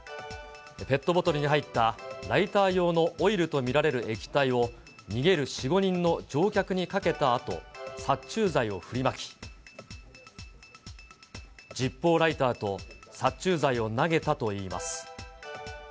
ペットボトルに入ったライター用のオイルと見られる液体を逃げる４、５人の乗客にかけたあと、殺虫剤を振りまき、ジッポーライターと、殺虫剤を投げたといいます。